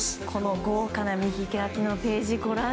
この豪華な見開きのページ。